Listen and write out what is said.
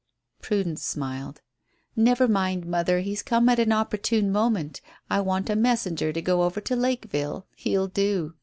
Prudence smiled. "Never mind, mother. He's come at an opportune moment. I want a messenger to go over to Lakeville. He'll do.